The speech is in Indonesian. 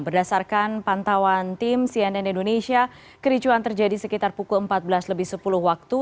berdasarkan pantauan tim cnn indonesia kericuan terjadi sekitar pukul empat belas lebih sepuluh waktu